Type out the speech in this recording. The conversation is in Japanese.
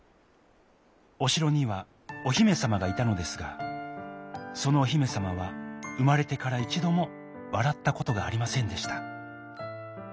おしろにはおひめさまがいたのですがそのおひめさまはうまれてからいちどもわらったことがありませんでした。